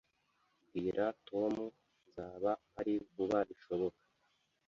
Bwira Tom nzaba mpari vuba bishoboka